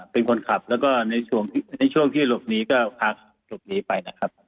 เป็นคนขับแล้วก็ในช่วงที่หลบหนีก็พาหลบหนีไปนะครับ